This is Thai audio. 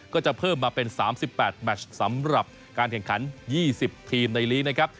ก็จะเพิ่มมาเป็น๓๘แมชสำหรับการแข่งขัน๒๐ทีมในลีกนะครับ